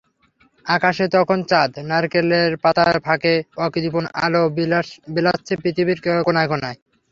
আকাশে তখন চাঁদ, নারকেলের পাতার ফাঁকে অকৃপণ আলো বিলাচ্ছে পৃথিবীর কোনায় কোনায়।